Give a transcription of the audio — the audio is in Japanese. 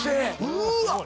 うわ。